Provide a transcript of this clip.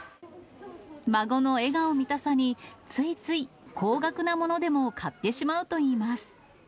孫の笑顔見たさに、ついつい高額なものでも買ってしまうといいます。